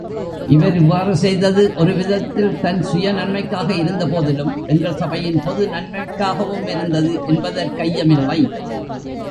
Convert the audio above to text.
இவர் இவ்வாறு செய்தது, ஒரு விதத்தில் தன் சுய நன்மைக்காக இருந்தபோதிலும், எங்கள் சபையின் பொது நன்மைக்காகவுமிருந்தது என்பதற்கையமில்லை.